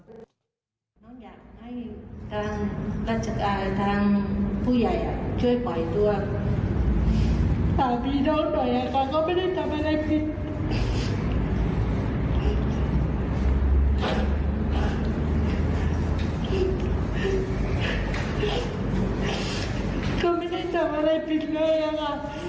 ก็ไม่ได้ทำอะไรผิดหย่อก่อนค่ะ